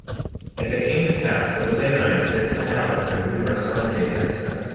58:18 And it came to pass that the Lamanites did come out with their numerous army against us.